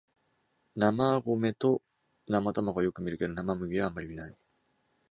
生米と生卵はよく見るけど生麦はあまり見ない